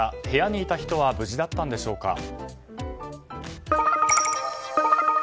部屋にいた人は無事だったんでしょうか。